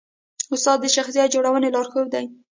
استاد د شخصیت جوړونې لارښود دی.